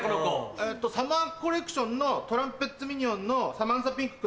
えとサマーコレクションのトラペズミニヨンのサマンサピンクください。